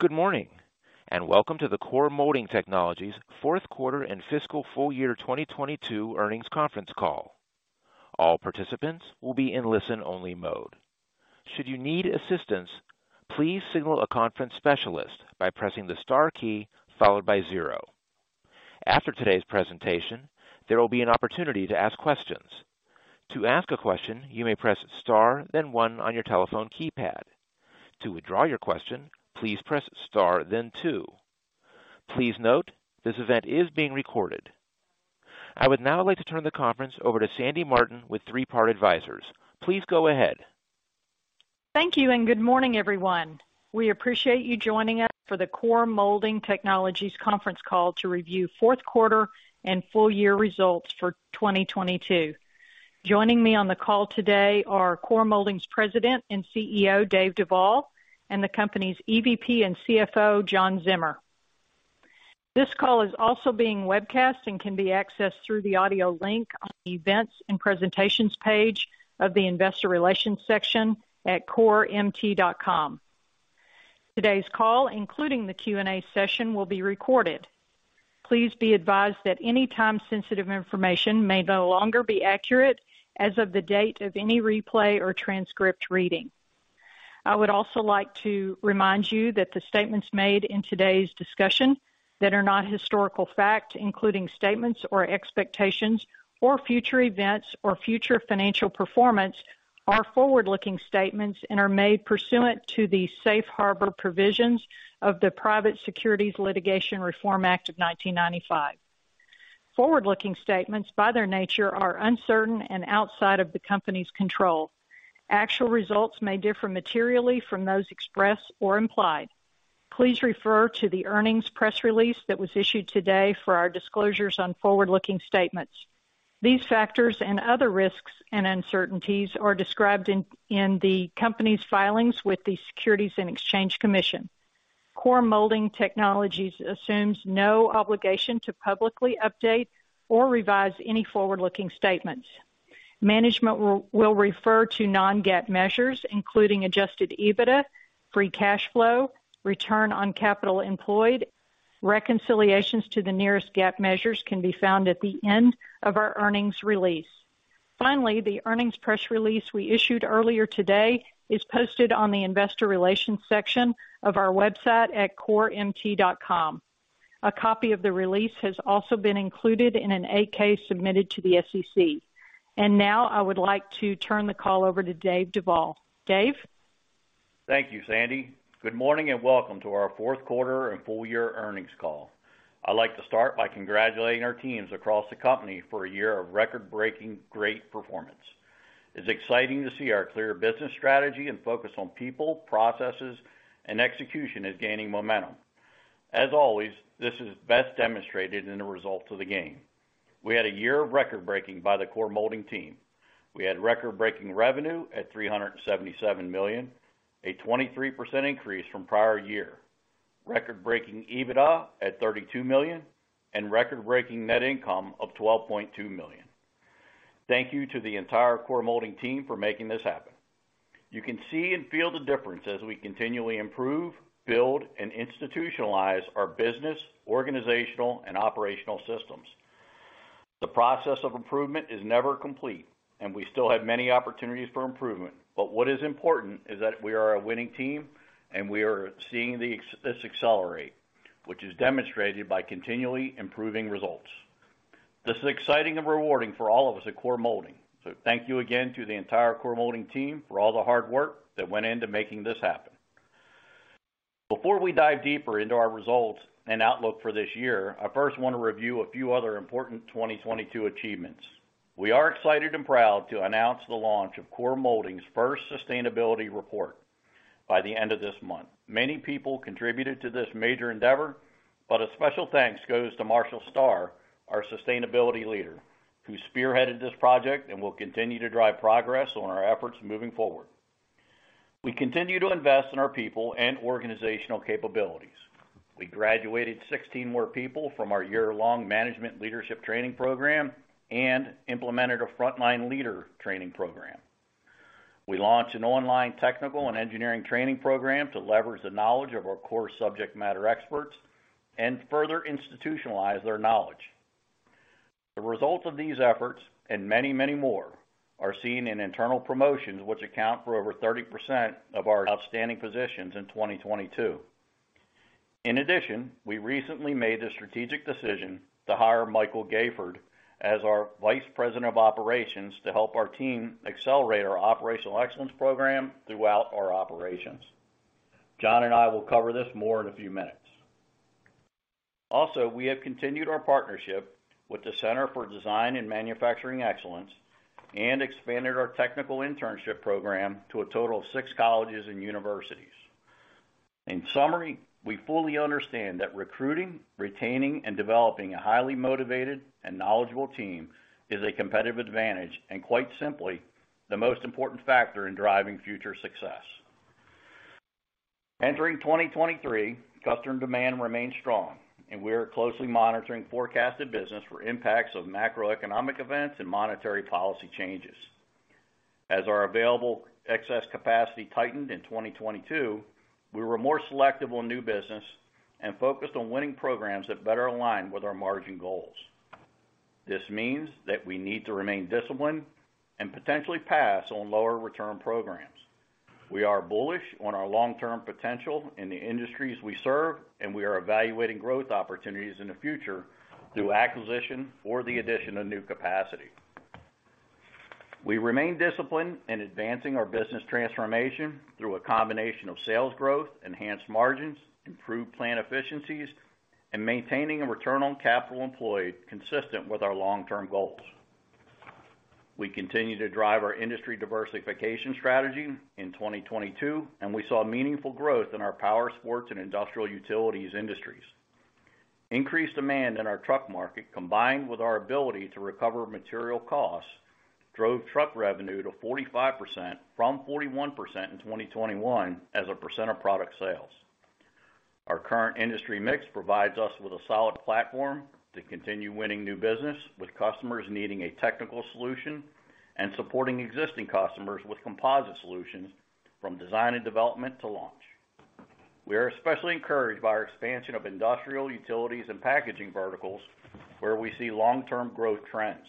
Good morning, and welcome to the Core Molding Technologies fourth quarter and fiscal full year 2022 earnings conference call. All participants will be in listen-only mode. Should you need assistance, please signal a conference specialist by pressing the star key followed by zero. After today's presentation, there will be an opportunity to ask questions. To ask a question, you may press star, then one on your telephone keypad. To withdraw your question, please press star then two. Please note, this event is being recorded. I would now like to turn the conference over to Sandy Martin with Three Part Advisors. Please go ahead. Thank you. Good morning, everyone. We appreciate you joining us for the Core Molding Technologies conference call to review fourth quarter and full year results for 2022. Joining me on the call today are Core Molding's President and CEO, Dave Duvall, and the company's EVP and CFO, John Zimmer. This call is also being webcast and can be accessed through the audio link on the Events and Presentations page of the investor relations section at coremt.com. Today's call, including the Q&A session, will be recorded. Please be advised that any time-sensitive information may no longer be accurate as of the date of any replay or transcript reading. I would also like to remind you that the statements made in today's discussion that are not historical fact, including statements or expectations or future events or future financial performance, are forward-looking statements and are made pursuant to the safe harbor provisions of the Private Securities Litigation Reform Act of 1995. Forward-looking statements, by their nature, are uncertain and outside of the company's control. Actual results may differ materially from those expressed or implied. Please refer to the earnings press release that was issued today for our disclosures on forward-looking statements. These factors and other risks and uncertainties are described in the company's filings with the Securities and Exchange Commission. Core Molding Technologies Adjusted EBITDA, Free Cash Flow, Return on Capital Employed, and reconciliations to the nearest GAAP measures can be found at the end of our earnings release. finally, the earnings press release we issued earlier today is posted on the investor relations section of our website at coremt.com. A copy of the release has also been included in an 8-K submitted to the SEC. Now I would like to turn the call over to Dave Duvall. Dave? Thank you, Sandy. Good morning. Welcome to our fourth quarter and full year earnings call. I'd like to start by congratulating our teams across the company for a year of record-breaking great performance. It's exciting to see our clear business strategy and focus on people, processes, and execution is gaining momentum. As always, this is best demonstrated in the results of the game. We had a year of record-breaking by the Core Molding team. We had record-breaking revenue at $377 million, a 23% increase from prior year. Record-breaking EBITDA at $32 million. Record-breaking net income of $12.2 million. Thank you to the entire Core Molding team for making this happen. You can see and feel the difference as we continually improve, build, and institutionalize our business, organizational, and operational systems. The process of improvement is never complete, and we still have many opportunities for improvement. What is important is that we are a winning team, and we are seeing this accelerate, which is demonstrated by continually improving results. This is exciting and rewarding for all of us at Core Molding. Thank you again to the entire Core Molding team for all the hard work that went into making this happen. Before we dive deeper into our results and outlook for this year, I first wanna review a few other important 2022 achievements. We are excited and proud to announce the launch of Core Molding's first sustainability report by the end of this month. Many people contributed to this major endeavor. A special thanks goes to Marshall Starr, our Sustainability Leader, who spearheaded this project and will continue to drive progress on our efforts moving forward. We continue to invest in our people and organizational capabilities. We graduated 16 more people from our year-long management leadership training program and implemented a frontline leader training program. We launched an online technical and engineering training program to leverage the knowledge of our core subject matter experts and further institutionalize their knowledge. The results of these efforts, and many, many more, are seen in internal promotions, which account for over 30% of our outstanding positions in 2022. We recently made the strategic decision to hire Mike Gayford as our Vice President of Operations to help our team accelerate our operational excellence program throughout our operations. John and I will cover this more in a few minutes. We have continued our partnership with the Center for Design and Manufacturing Excellence and expanded our technical internship program to a total of six colleges and universities. In summary, we fully understand that recruiting, retaining, and developing a highly-motivated and knowledgeable team is a competitive advantage, and quite simply, the most important factor in driving future success. Entering 2023, customer demand remains strong, and we are closely monitoring forecasted business for impacts of macroeconomic events and monetary policy changes. As our available excess capacity tightened in 2022, we were more selective on new business and focused on winning programs that better align with our margin goals. This means that we need to remain disciplined and potentially pass on lower return programs. We are bullish on our long-term potential in the industries we serve, and we are evaluating growth opportunities in the future through acquisition or the addition of new capacity. We remain disciplined in advancing our business transformation through a combination of sales growth, enhanced margins, improved plant efficiencies, and maintaining a Return on Capital Employed consistent with our long-term goals. We continue to drive our industry diversification strategy in 2022, and we saw meaningful growth in our powersports and industrial utilities industries. Increased demand in our truck market, combined with our ability to recover material costs, drove truck revenue to 45% from 41% in 2021 as a percentage of product sales. Our current industry mix provides us with a solid platform to continue winning new business with customers needing a technical solution and supporting existing customers with composite solutions from design and development to launch. We are especially encouraged by our expansion of industrial, utilities, and packaging verticals, where we see long-term growth trends.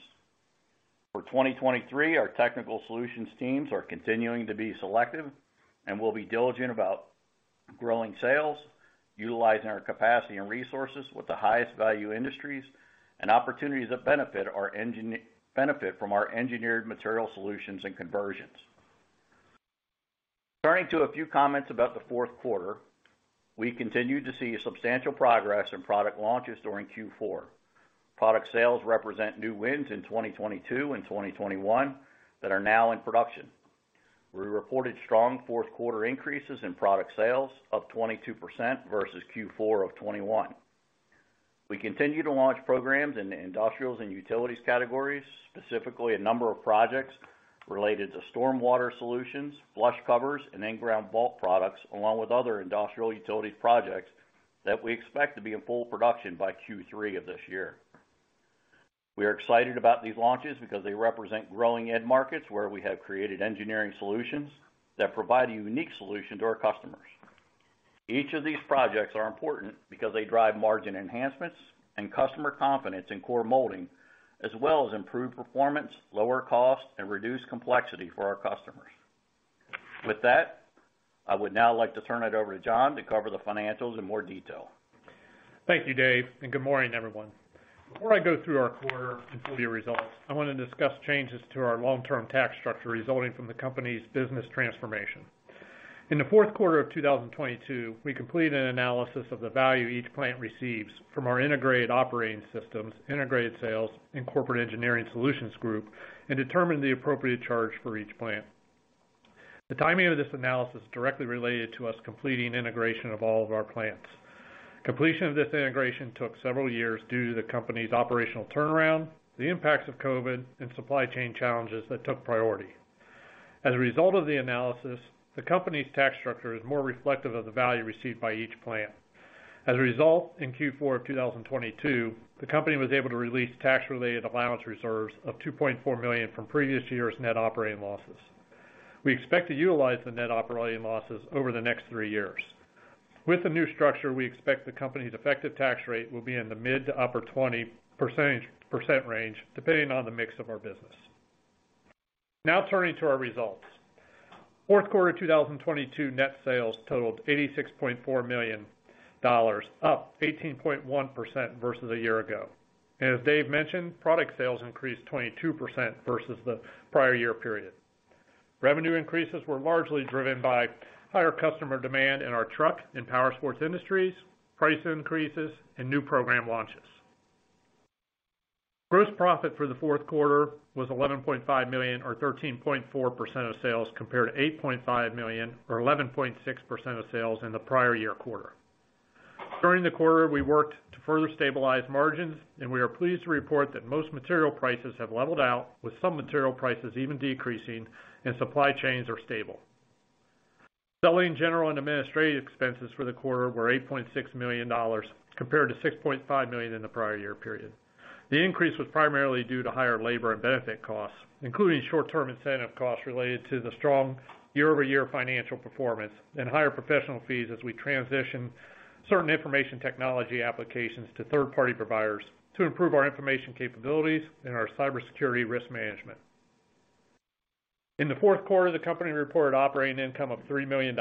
For 2023, our technical solutions teams are continuing to be selective, and we'll be diligent about growing sales, utilizing our capacity and resources with the highest value industries and opportunities that benefit from our engineered material solutions and conversions. Turning to a few comments about the fourth quarter, we continued to see substantial progress in product launches during Q4. Product sales represent new wins in 2022 and 2021 that are now in production. We reported strong fourth quarter increases in product sales of 22% versus Q4 of 2021. We continue to launch programs in the industrials and utilities categories, specifically a number of projects related to storm water solutions, flush covers, and in-ground vault products, along with other industrial utilities projects that we expect to be in full production by Q3 of this year. We are excited about these launches because they represent growing end markets where we have created engineering solutions that provide a unique solution to our customers. Each of these projects are important because they drive margin enhancements and customer confidence in Core Molding, as well as improved performance, lower cost, and reduced complexity for our customers. With that, I would now like to turn it over to John to cover the financials in more detail. Thank you, Dave, and good morning, everyone. Before I go through our quarter and full year results, I want to discuss changes to our long-term tax structure resulting from the company's business transformation. In the fourth quarter of 2022, we completed an analysis of the value each plant receives from our integrated operating systems, integrated sales, and corporate engineering solutions group, and determined the appropriate charge for each plant. The timing of this analysis directly related to us completing integration of all of our plants. Completion of this integration took several years due to the company's operational turnaround, the impacts of COVID, and supply chain challenges that took priority. As a result of the analysis, the company's tax structure is more reflective of the value received by each plant. In Q4 of 2022, the company was able to release tax-related allowance reserves of $2.4 million from previous years' Net Operating Losses. We expect to utilize the Net Operating Losses over the next three years. With the new structure, we expect the company's effective tax rate will be in the mid to upper 20% range, depending on the mix of our business. Turning to our results. Fourth quarter 2022 net sales totaled $86.4 million, up 18.1% versus a year ago. As Dave mentioned, product sales increased 22% versus the prior year period. Revenue increases were largely driven by higher customer demand in our truck and powersports industries, price increases, and new program launches. Gross profit for the fourth quarter was $11.5 million or 13.4% of sales compared to $8.5 million or 11.6% of sales in the prior year quarter. During the quarter, we worked to further stabilize margins, and we are pleased to report that most material prices have leveled out, with some material prices even decreasing, and supply chains are stable. Selling, general, and administrative expenses for the quarter were $8.6 million compared to $6.5 million in the prior year period. The increase was primarily due to higher labor and benefit costs, including short-term incentive costs related to the strong year-over-year financial performance and higher professional fees as we transition certain information technology applications to third-party providers to improve our information capabilities and our cybersecurity risk management. In the fourth quarter, the company reported operating income of $3 million.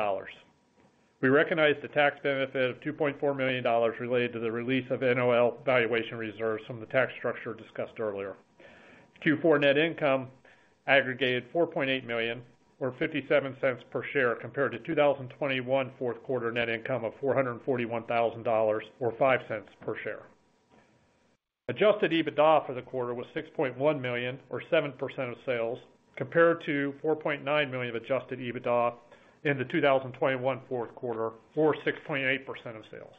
We recognized the tax benefit of $2.4 million related to the release of NOL valuation reserves from the tax structure discussed earlier. Q4 net income aggregated $4.8 million or $0.57 per share compared to 2021 fourth quarter net income of $441,000 or $0.05 per share. Adjusted EBITDA for the quarter was $6.1 million or 7% of sales compared to $4.9 million of Adjusted EBITDA in the 2021 fourth quarter or 6.8% of sales.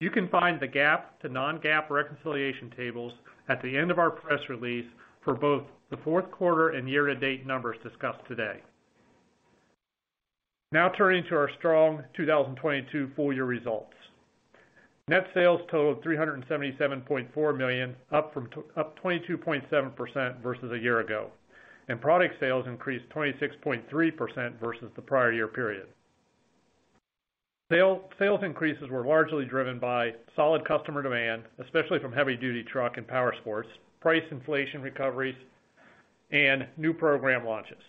You can find the GAAP to non-GAAP reconciliation tables at the end of our press release for both the fourth quarter and year-to-date numbers discussed today. Turning to our strong 2022 full year results. Net sales totaled $377.4 million, up 22.7% versus a year ago. Product sales increased 26.3% versus the prior year period. Sales increases were largely driven by solid customer demand, especially from heavy duty truck and power sports, price inflation recoveries, and new program launches.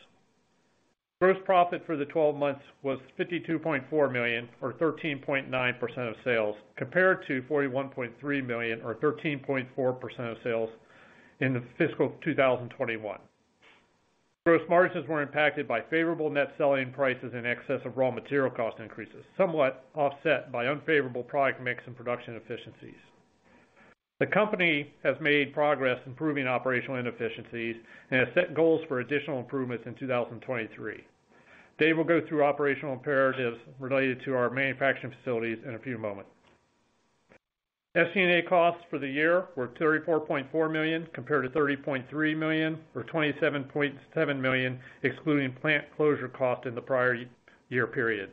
Gross profit for the 12 months was $52.4 million or 13.9% of sales, compared to $41.3 million or 13.4% of sales in the fiscal 2021. Gross margins were impacted by favorable net selling prices in excess of raw material cost increases, somewhat offset by unfavorable product mix and production efficiencies. The company has made progress improving operational inefficiencies and has set goals for additional improvements in 2023. Dave will go through operational imperatives related to our manufacturing facilities in a few moments. SD&A costs for the year were $34.4 million compared to $30.3 million, or $27.7 million, excluding plant closure cost in the prior year period.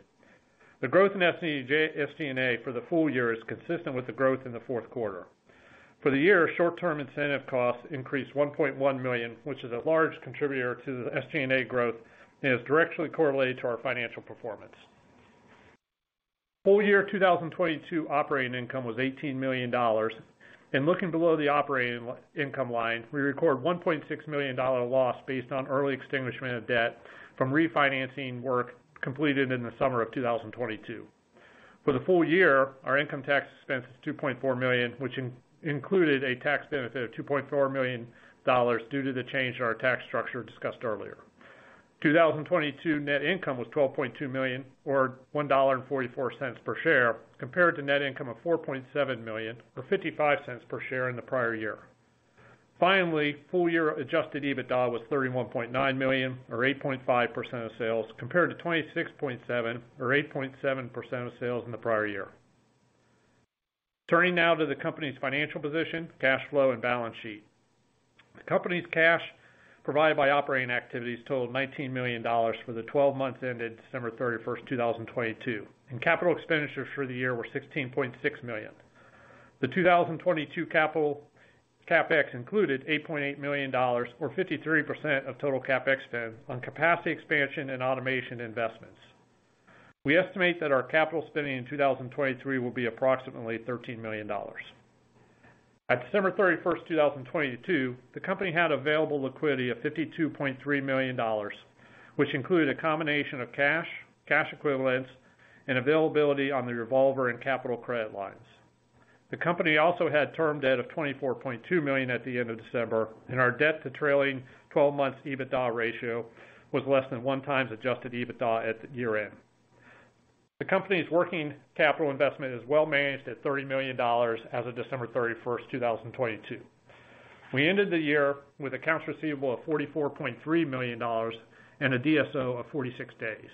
The growth in SD&A for the full year is consistent with the growth in the fourth quarter. For the year, short-term incentive costs increased $1.1 million, which is a large contributor to the SD&A growth and is directly correlated to our financial performance. Full year 2022 operating income was $18 million. Looking below the operating income line, we record $1.6 million loss based on early extinguishment of debt from refinancing work completed in the summer of 2022. For the full year, our income tax expense is $2.4 million, which included a tax benefit of $2.4 million due to the change in our tax structure discussed earlier. 2022 net income was $12.2 million or $1.44 per share, compared to net income of $4.7 million or $0.55 per share in the prior year. Full year Adjusted EBITDA was $31.9 million or 8.5% of sales, compared to $26.7 million or 8.7% of sales in the prior year. Turning now to the company's financial position, cash flow and balance sheet. The company's cash provided by operating activities totaled $19 million for the 12 months ended December 31st, 2022. Capital expenditures for the year were $16.6 million. The 2022 CapEx included $8.8 million, or 53% of total CapEx spend on capacity expansion and automation investments. We estimate that our capital spending in 2023 will be approximately $13 million. At December 31st, 2022, the company had available liquidity of $52.3 million, which included a combination of cash equivalents, and availability on the revolver and capital credit lines. The company also had term debt of $24.2 million at the end of December, and our debt to trailing 12 months EBITDA ratio was less than 1x Adjusted EBITDA at year-end. The company's working capital investment is well managed at $30 million as of December 31st, 2022. We ended the year with accounts receivable of $44.3 million and a DSO of 46 days.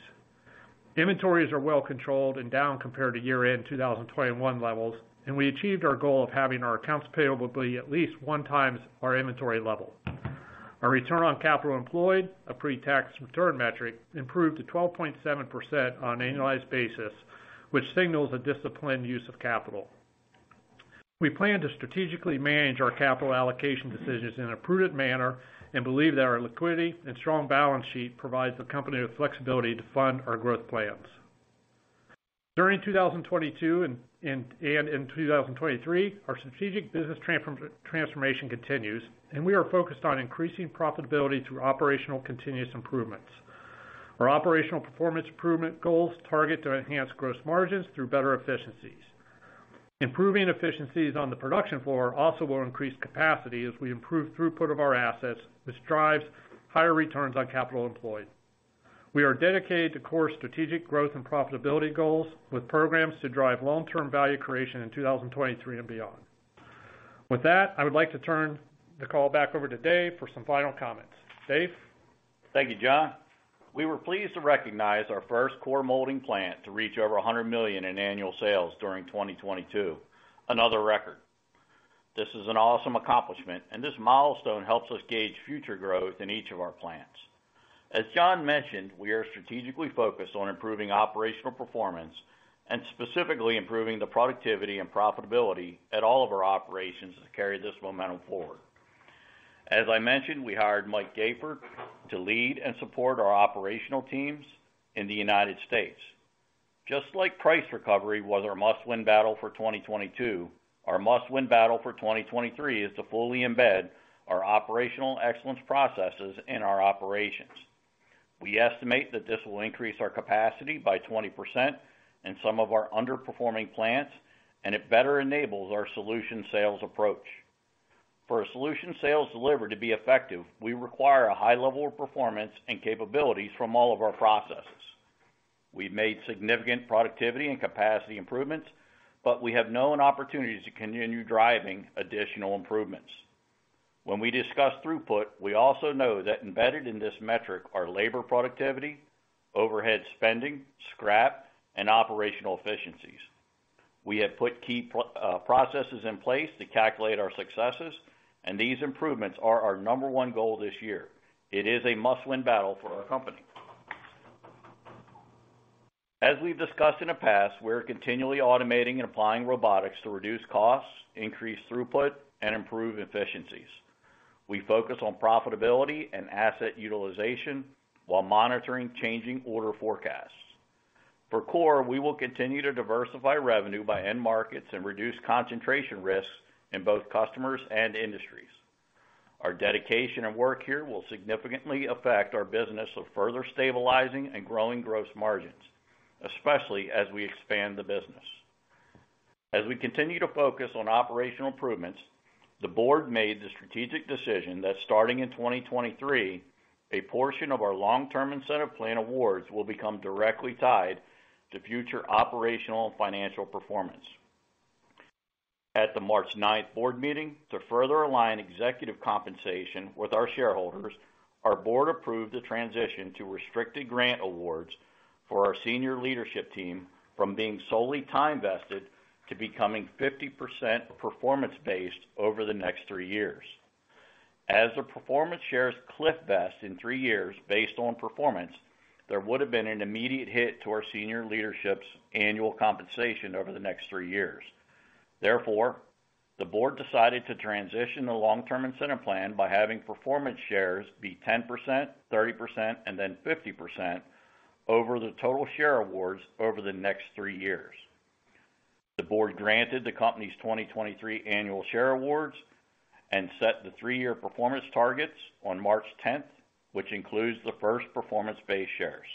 Inventories are well-controlled and down compared to year-end 2021 levels. We achieved our goal of having our accounts payable be at least 1x our inventory level. Our Return on Capital Employed, a pre-tax return metric, improved to 12.7% on an annualized basis, which signals a disciplined use of capital. We plan to strategically manage our capital allocation decisions in a prudent manner and believe that our liquidity and strong balance sheet provides the company with flexibility to fund our growth plans. During 2022 and in 2023, our strategic business transformation continues. We are focused on increasing profitability through operational continuous improvements. Our operational performance improvement goals target to enhance gross margins through better efficiencies. Improving efficiencies on the production floor also will increase capacity as we improve throughput of our assets, which drives higher returns on capital employed. We are dedicated to core strategic growth and profitability goals with programs to drive long-term value creation in 2023 and beyond. With that, I would like to turn the call back over to Dave for some final comments. Dave? Thank you, John. We were pleased to recognize our first Core Molding plant to reach over $100 million in annual sales during 2022. Another record. This is an awesome accomplishment, and this milestone helps us gauge future growth in each of our plants. As John mentioned, we are strategically focused on improving operational performance and specifically improving the productivity and profitability at all of our operations to carry this momentum forward. As I mentioned, we hired Mike Gayford to lead and support our operational teams in the United States. Just like price recovery was our must-win battle for 2022, our must-win battle for 2023 is to fully embed our operational excellence processes in our operations. We estimate that this will increase our capacity by 20% in some of our underperforming plants, and it better enables our solution sales approach. For a solution sales delivery to be effective, we require a high level of performance and capabilities from all of our processes. We've made significant productivity and capacity improvements. We have known opportunities to continue driving additional improvements. When we discuss throughput, we also know that embedded in this metric are labor productivity, overhead spending, scrap, and operational efficiencies. We have put key processes in place to calculate our successes. These improvements are our number one goal this year. It is a must-win battle for our company. As we've discussed in the past, we're continually automating and applying robotics to reduce costs, increase throughput, and improve efficiencies. We focus on profitability and asset utilization while monitoring changing order forecasts. For Core, we will continue to diversify revenue by end markets and reduce concentration risks in both customers and industries. Our dedication and work here will significantly affect our business of further stabilizing and growing gross margins, especially as we expand the business. As we continue to focus on operational improvements, the board made the strategic decision that starting in 2023, a portion of our long-term incentive plan awards will become directly tied to future operational and financial performance. At the March ninth board meeting, to further align executive compensation with our shareholders, our board approved the transition to restricted grant awards for our senior leadership team from being solely time vested to becoming 50% performance-based over the next three years. As the performance shares cliff vest in three years based on performance, there would have been an immediate hit to our senior leadership's annual compensation over the next three years. Therefore, the board decided to transition the long-term incentive plan by having performance shares be 10%, 30%, and then 50% over the total share awards over the next three years. The board granted the company's 2023 annual share awards and set the three-year performance targets on March 10th, which includes the first performance-based shares.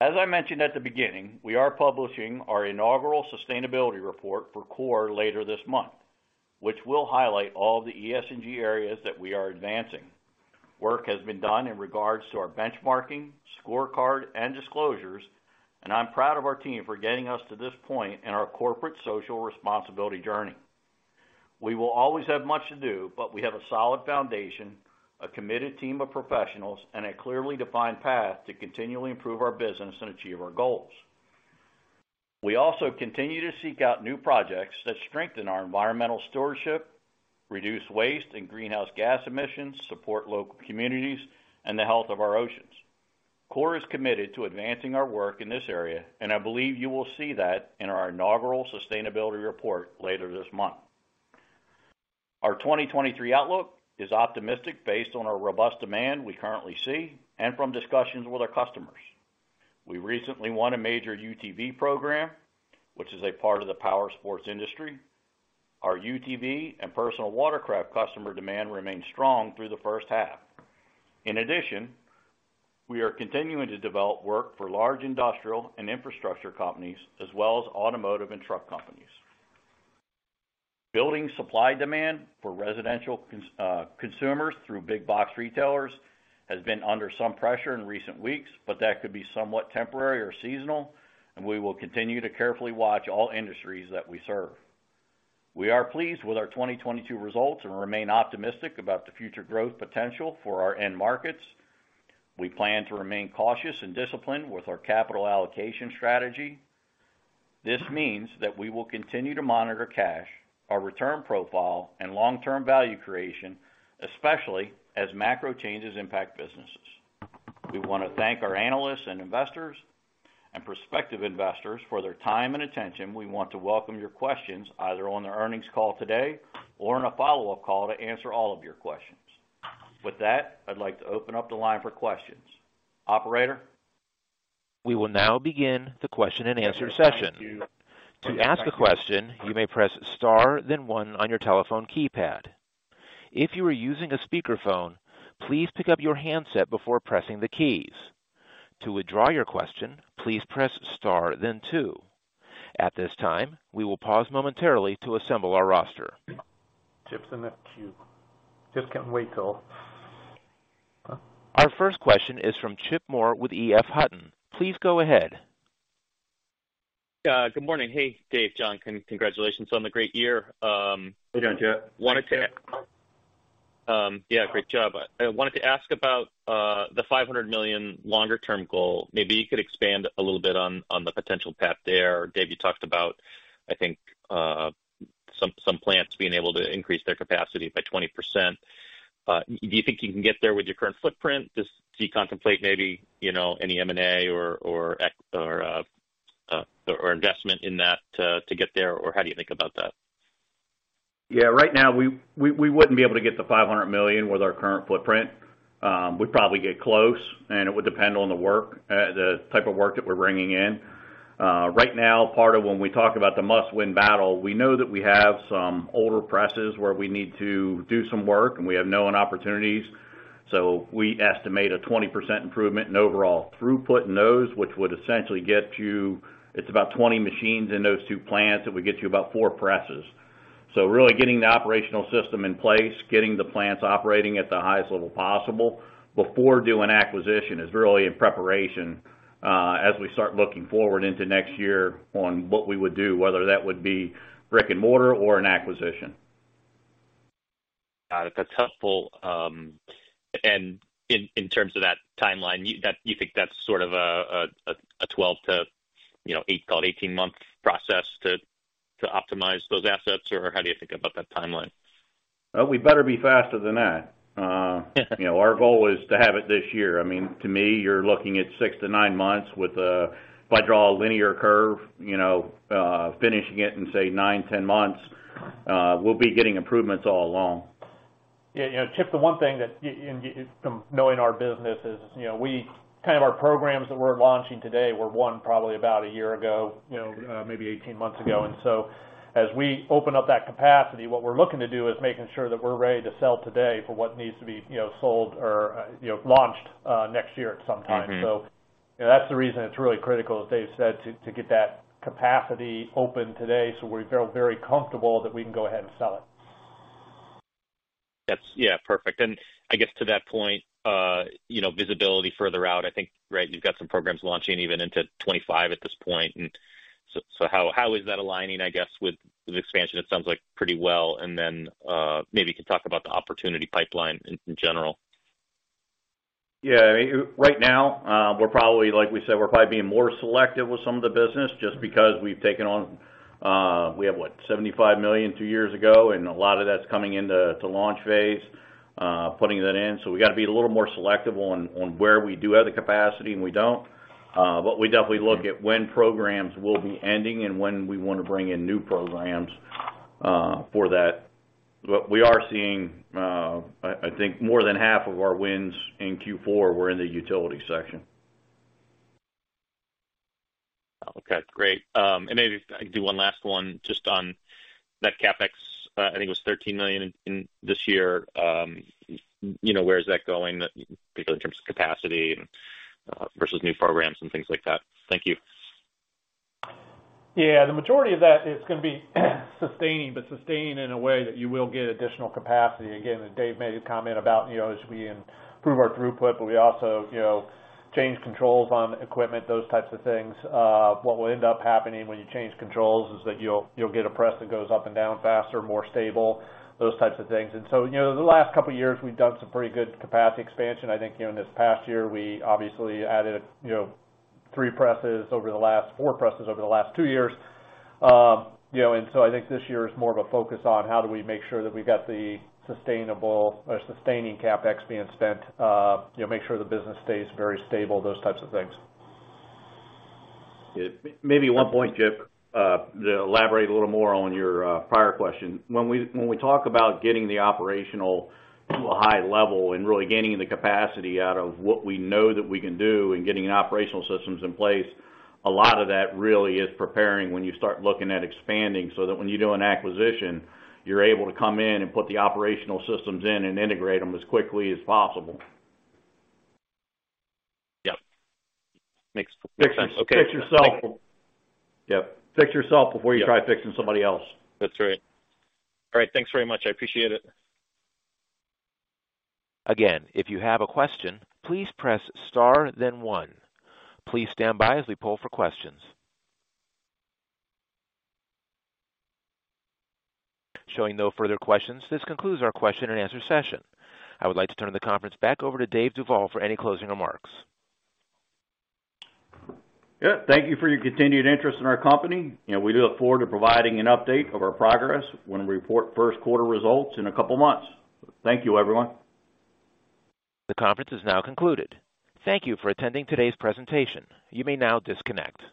As I mentioned at the beginning, we are publishing our inaugural sustainability report for Core Molding later this month, which will highlight all the ESG areas that we are advancing. Work has been done in regards to our benchmarking, scorecard, and disclosures, and I'm proud of our team for getting us to this point in our corporate social responsibility journey. We will always have much to do, but we have a solid foundation, a committed team of professionals, and a clearly defined path to continually improve our business and achieve our goals. We also continue to seek out new projects that strengthen our environmental stewardship, reduce waste and greenhouse gas emissions, support local communities, and the health of our oceans. Core is committed to advancing our work in this area, and I believe you will see that in our inaugural sustainability report later this month. Our 2023 outlook is optimistic based on our robust demand we currently see and from discussions with our customers. We recently won a major UTV program, which is a part of the power sports industry. Our UTV and personal watercraft customer demand remains strong through the first half. In addition, we are continuing to develop work for large industrial and infrastructure companies, as well as automotive and truck companies. Building supply demand for residential consumers through big box retailers has been under some pressure in recent weeks, but that could be somewhat temporary or seasonal, and we will continue to carefully watch all industries that we serve. We are pleased with our 2022 results and remain optimistic about the future growth potential for our end markets. We plan to remain cautious and disciplined with our capital allocation strategy. This means that we will continue to monitor cash, our return profile, and long-term value creation, especially as macro changes impact businesses. We want to thank our analysts and investors and prospective investors for their time and attention. We want to welcome your questions either on the earnings call today or in a follow-up call to answer all of your questions. With that, I'd like to open up the line for questions. Operator? We will now begin the question-and-answer session. Thank you. To ask a question, you may press star, then one on your telephone keypad. If you are using a speakerphone, please pick up your handset before pressing the keys. To withdraw your question, please press star then two. At this time, we will pause momentarily to assemble our roster. Chip's in the queue. Just can't wait till... Our first question is from Chip Moore with EF Hutton. Please go ahead. Yeah. Good morning. Hey, Dave, John, congratulations on the great year. How you doing, Chip? Wanted to- Thanks for asking. Yeah, great job. I wanted to ask about the $500 million longer term goal. Maybe you could expand a little bit on the potential path there. Dave, you talked about, I think, some plants being able to increase their capacity by 20%. Do you think you can get there with your current footprint? Just do you contemplate maybe, you know, any M&A or investment in that to get there, or how do you think about that? Right now, we wouldn't be able to get the $500 million with our current footprint. We'd probably get close, and it would depend on the work, the type of work that we're bringing in. Right now, part of when we talk about the must-win battle, we know that we have some older presses where we need to do some work, and we have known opportunities. We estimate a 20% improvement in overall throughput in those, which would essentially get you. It's about 20 machines in those two plants, that would get you about four presses. Really getting the operational system in place, getting the plants operating at the highest level possible before doing acquisition is really in preparation, as we start looking forward into next year on what we would do, whether that would be brick-and-mortar or an acquisition. Got it. That's helpful. In, in terms of that timeline, you think that's sort of a 12 to, you know, 18-month process to optimize those assets? Or how do you think about that timeline? Well, we better be faster than that. You know, our goal is to have it this year. I mean, to me, you're looking at six to nine months if I draw a linear curve, you know, finishing it in, say,, 10 months, we'll be getting improvements all along. Yeah, you know, Chip, the one thing that from knowing our business is, you know, kind of our programs that we're launching today were one probably about a year ago, you know, maybe 18 months ago. As we open up that capacity, what we're looking to do is making sure that we're ready to sell today for what needs to be, you know, sold or, you know, launched next year at some time. Mm-hmm. You know, that's the reason it's really critical, as Dave said, to get that capacity open today so we feel very comfortable that we can go ahead and sell it. That's. Yeah, perfect. I guess to that point, you know, visibility further out, I think, right, you've got some programs launching even into 2025 at this point. So how is that aligning, I guess, with the expansion? It sounds like pretty well. Then maybe you could talk about the opportunity pipeline in general. Yeah. Right now, we're probably like we said, we're probably being more selective with some of the business just because we've taken on, we have, what, $75 million two years ago, and a lot of that's coming into launch phase, putting that in. We gotta be a little more selective on where we do have the capacity and we don't. We definitely look at when programs will be ending and when we wanna bring in new programs for that. We are seeing, I think more than half of our wins in Q4 were in the utility section. Okay, great. Maybe I can do one last one just on net CapEx. I think it was $13 million in this year. You know, where is that going, particularly in terms of capacity and versus new programs and things like that? Thank you. Yeah. The majority of that is gonna be sustaining, but sustaining in a way that you will get additional capacity. Again, that Dave made a comment about, you know, as we improve our throughput, but we also, you know, change controls on equipment, those types of things. What will end up happening when you change controls is that you'll get a press that goes up and down faster, more stable, those types of things. You know, the last couple of years, we've done some pretty good capacity expansion. I think, you know, in this past year, we obviously added, you know, three presses over the last four presses over the last two years. You know, I think this year is more of a focus on how do we make sure that we've got the sustainable or sustaining CapEx being spent, you know, make sure the business stays very stable, those types of things. Yeah. Maybe one point, Chip, to elaborate a little more on your prior question. When we talk about getting the operational to a high level and really gaining the capacity out of what we know that we can do and getting operational systems in place, a lot of that really is preparing when you start looking at expanding, so that when you do an acquisition, you're able to come in and put the operational systems in and integrate them as quickly as possible. Yeah. Makes total sense. Okay. Fix yourself. Yeah. Fix yourself before you try fixing somebody else. That's right. All right. Thanks very much. I appreciate it. Again, if you have a question, please press star then one. Please stand by as we poll for questions. Showing no further questions, this concludes our question and answer session. I would like to turn the conference back over to Dave Duvall for any closing remarks. Yeah. Thank you for your continued interest in our company. You know, we look forward to providing an update of our progress when we report first quarter results in a couple of months. Thank you, everyone. The conference is now concluded. Thank you for attending today's presentation. You may now disconnect.